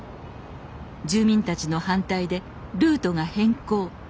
住民たちの反対でルートが変更。